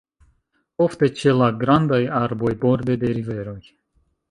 Ofte ĉe la grandaj arboj borde de riveroj.